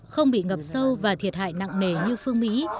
không bị ngập sâu và thiệt hại nặng nề như phương mỹ